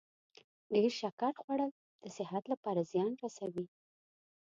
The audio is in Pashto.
ډیر شکر خوړل د صحت لپاره زیان رسوي.